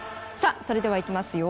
それでは行きますよ。